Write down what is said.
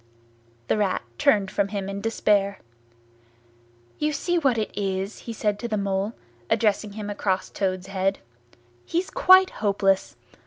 The Rat turned from him in despair. "You see what it is?" he said to the Mole, addressing him across Toad's head: "He's quite hopeless.